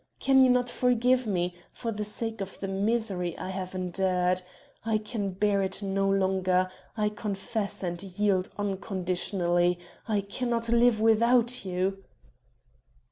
Can you not forgive me for the sake of the misery I have endured? I can bear it no longer I confess and yield unconditionally I cannot live without you...."